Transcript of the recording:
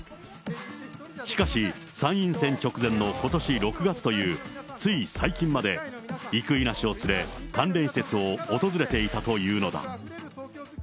しかし、参院選直前のことし６月という、つい最近まで、生稲氏を連れ、関連施設を訪れていたというのだ。